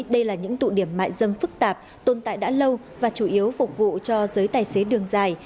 đây là những tụ điểm mại dâm phức tạp tồn tại đã lâu và chủ yếu phục vụ cho giới tài xế đường dài